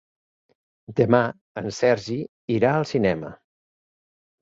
Demà en Sergi irà al cinema.